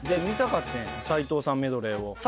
見たかってん斉藤さんメドレーを。